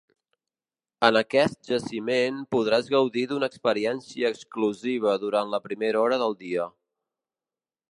En aquest jaciment podràs gaudir d'una experiència exclusiva durant la primera hora del dia.